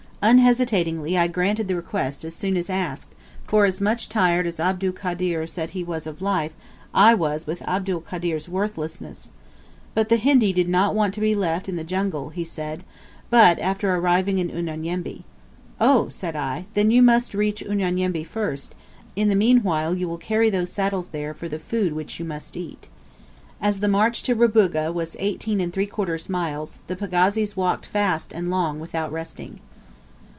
Unhesitatingly I granted the request as soon as asked, for as much tired as Abdul Kader said he was of life, I was with Abdul Kader's worthlessness. But the Hindi did not want to be left in the jungle, he said, but, after arriving in Unyanyembe. "Oh," said I, "then you must reach Unyanyembe first; in the meanwhile you will carry those saddles there for the food which you must eat." As the march to Rubuga was eighteen and three quarter miles, the pagazis walked fast and long without resting.